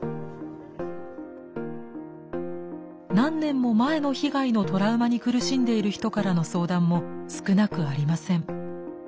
何年も前の被害のトラウマに苦しんでいる人からの相談も少なくありません。